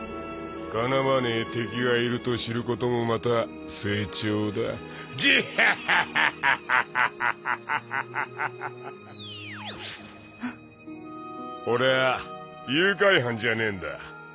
敵わねえ敵がいると知ることもまた成長だジッハッハッハッハッ俺ァ誘拐犯じゃねえんだ